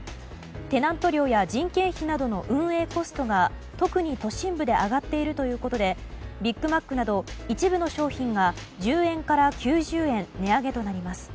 テナント料や人件費などの運営コストが特に都心部で上がっているということでビッグマックなど一部の商品が１０円から９０円値上げとなります。